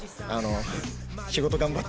仕事頑張って！